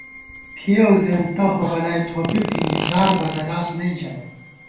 تھیَؤ زېنتہ ہوبولائے تھوپِک تھنی، زار بدَلاس نئ ژمېت